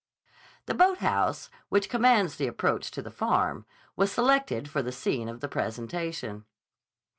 The boathouse, which commands the approach to the Farm, was selected for the scene of the presentation.